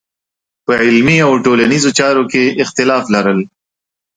په علمي او ټولنیزو چارو کې اختلاف لرل.